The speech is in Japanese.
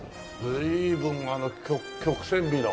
随分あの曲線美の。